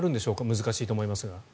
難しいと思いますが。